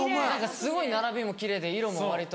すごい並びも奇麗で色も割と。